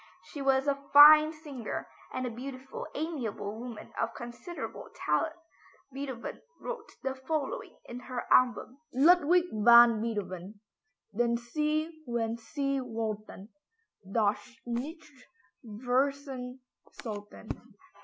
She was a fine singer, and a beautiful, amiable woman of considerable talent. Beethoven wrote the following in her album: Ludwig van Beethoven Den Sie wenn Sie wollten Doch nicht vergessen sollten.